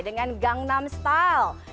dengan gangnam style